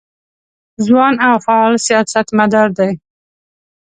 ځوان او فعال سیاستمدار دی.